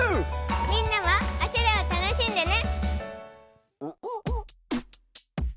みんなもおしゃれを楽しんでね！